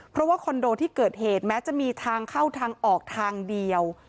เพราะว่าคอนโดที่เกิดเหตุแม้จะมีทางเข้าทางออกทางเดียว